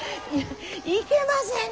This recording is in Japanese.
いけませぬ！